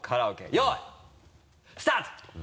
よいスタート！